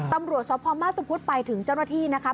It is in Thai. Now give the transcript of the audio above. ตำรวจสพมาตุพุทธไปถึงเจ้าหน้าที่นะครับ